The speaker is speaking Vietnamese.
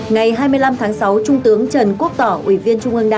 ngày hai mươi năm tháng sáu trung tướng trần quốc tỏ ủy viên trung ưng đại